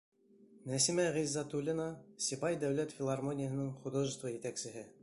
Нәсимә Ғиззәтуллина, Сибай дәүләт филармонияһының художество етәксеһе: